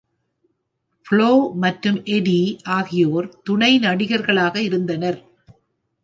Flow மற்றும் Eddie ஆகியோர் துணை நடிகர்களாக இருந்தனர்.